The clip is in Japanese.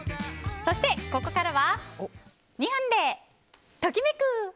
そして、ここからは２分でトキめく！